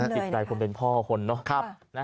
จิตใจคนเป็นพ่อคนเนอะ